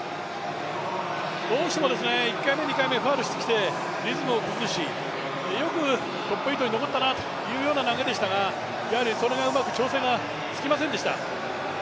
どうしても１回目、２回目ファウルをしてきてリズムを崩しよくトップ８に残ったなという流れでしたが、やはりそれがうまく調整がつきませんでした。